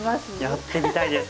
やってみたいです！